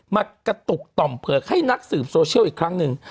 มากระตุกต่อมเผือกให้นักสืบโซเชียลอีกครั้งหนึ่ง